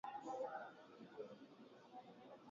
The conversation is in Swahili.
bunge la kitaifa lilihalalishwa nchini afrika kusini